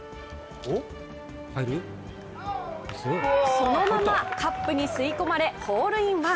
そのままカップに吸い込まれホールインワン。